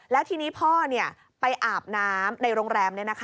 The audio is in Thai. แล้วทีนี้พ่อไปอาบน้ำในโรงแรม